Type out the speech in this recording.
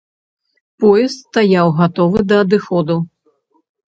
Поезд стаяў, гатовы да адыходу.